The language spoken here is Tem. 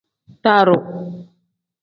Daaru.